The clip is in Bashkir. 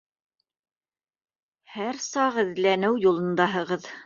Һәр саҡ эҙләнеү юлындаһығыҙ.